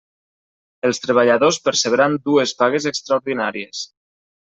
Els treballadors percebran dues pagues extraordinàries.